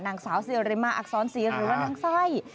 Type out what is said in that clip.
นางสาวเซอริมาอักซ้อนซีหรือว่านางไซส์